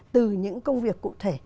từ những công việc cụ thể